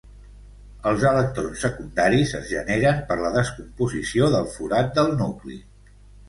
Els electrons secundaris es generen per la descomposició del forat del nucli.